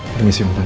permisi om tenang